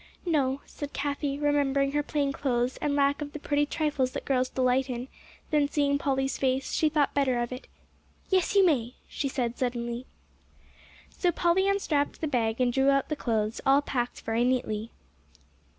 "No," said Cathie, remembering her plain clothes and lack of the pretty trifles that girls delight in; then seeing Polly's face, she thought better of it. "Yes, you may," she said suddenly. So Polly unstrapped the bag, and drew out the clothes, all packed very neatly.